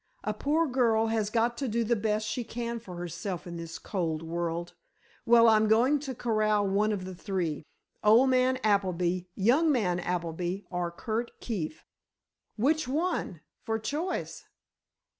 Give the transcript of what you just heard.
A poor girl has got to do the best she can for herself in this cold world. Well, I'm going to corral one of the three: old man Appleby, young man Appleby, or Curt Keefe." "Which one, for choice?"